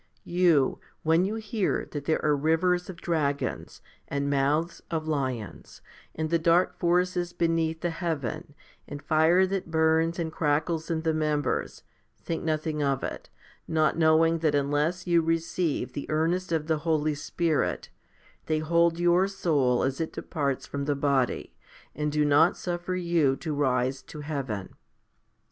You, when you hear that there are rivers of dragons, and mouths of lions, and the dark forces beneath the heaven, and fire that burns and crackles in the members, think nothing of it, not knowing that unless you receive the earnest of the Holy Spirit,' 1 they hold your soul as it departs from the body, and do not suffer you to rise to heaven.